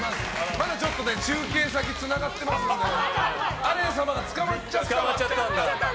まだちょっと中継先つながってますんでアレン様が捕まっちゃった。